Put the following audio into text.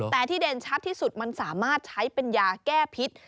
แต่ที่เด่นชัดที่สุดมันสามารถใช้เป็นยาแก้พิษ